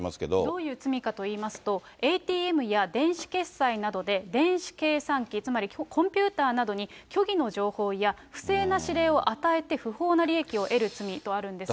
どういう罪かといいますと、ＡＴＭや電子決済などで電子計算機、つまりコンピュータなどに虚偽の情報や不正な指令を与えて不法な利益を得る罪とあるんですが。